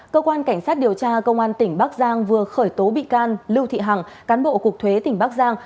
cơ quan cảnh sát điều tra công an tỉnh bắc giang vừa khởi tố bị can lưu thị hằng cán bộ cục thuế tỉnh bắc giang